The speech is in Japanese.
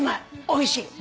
おいしい。